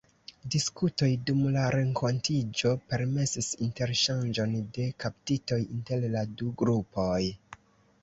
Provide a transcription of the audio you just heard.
Diskutoj dum la renkontiĝo permesis interŝanĝon de kaptitoj inter la du grupoj.